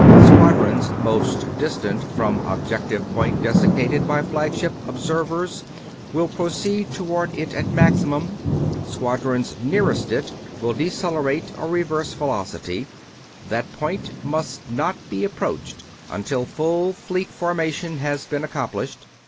Squadrons most distant from objective point designated by flagship observers will proceed toward it at maximum; squadrons nearest it will decelerate or reverse velocity that point must not be approached until full Fleet formation has been accomplished.